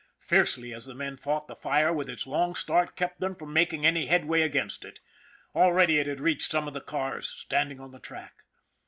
Fiercely as the men fought, the fire, with its long start, kept them from making any headway against it. Already it had reached some of the cars standing on the track.